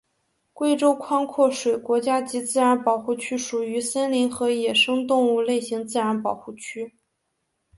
贵州宽阔水国家级自然保护区属于森林和野生动物类型自然保护区。